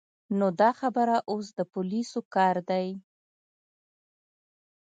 نو دا خبره اوس د پولیسو کار دی.